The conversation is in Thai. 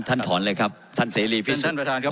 ท่านถอนเลยครับท่านเสียหายพิสูจน์